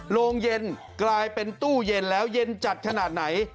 โรงเย็นกลายเป็นตู้เย็นแล้วเย็นจัดขนาดไหน